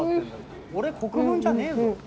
俺国分じゃねえぞ。